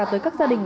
tới các gia đình